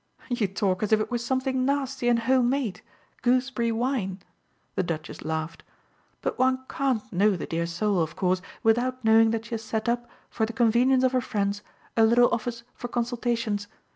"You talk as if it were something nasty and homemade gooseberry wine!" the Duchess laughed; "but one can't know the dear soul, of course, without knowing that she has set up, for the convenience of her friends, a little office for consultations.